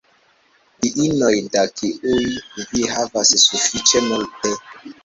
Diinoj, da kiuj vi havas sufiĉe multe.